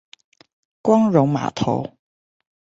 光榮碼頭